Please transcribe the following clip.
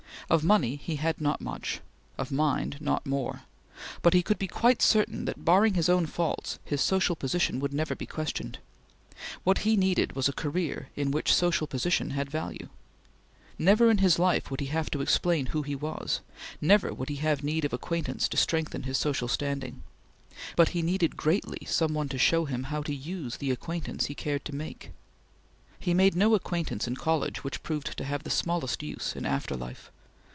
Of money he had not much, of mind not more, but he could be quite certain that, barring his own faults, his social position would never be questioned. What he needed was a career in which social position had value. Never in his life would he have to explain who he was; never would he have need of acquaintance to strengthen his social standing; but he needed greatly some one to show him how to use the acquaintance he cared to make. He made no acquaintance in college which proved to have the smallest use in after life.